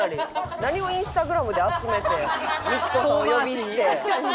何をインスタグラムで集めてミチコさんお呼びして。